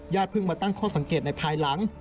เพิ่งมาตั้งข้อสังเกตในภายหลัง